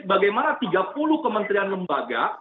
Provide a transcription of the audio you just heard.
bagaimana tiga puluh kementerian lembaga